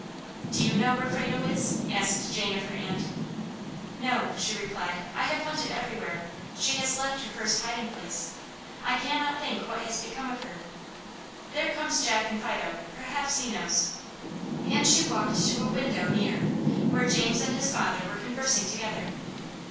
"Do you know where Frado is?" asked Jane of her aunt. "No," she replied. "I have hunted everywhere. She has left her first hiding place. I cannot think what has become of her. There comes Jack and Fido; perhaps he knows;" and she walked to a window near, where James and his father were conversing together.